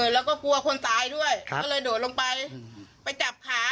เราก็กลัวคนตายด้วยแล้วก็โดดลงไปไปจับขา